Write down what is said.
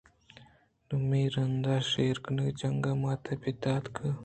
دومی رَند ءَ شیر کہ جِنکّ ءِ مات ءُ پتاں اتک